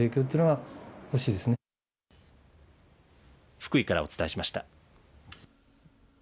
福井からお伝えしました。